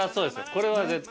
これは絶対。